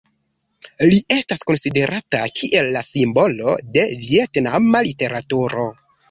Li estas konsiderata kiel la simbolo de vjetnama literaturo.